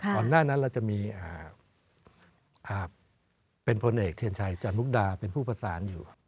ก่อนหน้านั้นเราจะมีภาพเป็นพลเอกเทียนชัยจันมุกดาเป็นผู้ประสานอยู่